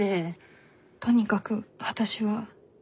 とにかく私は。